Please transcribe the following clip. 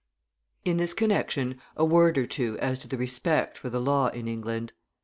In this connection, a word or two as to the respect for the law in England.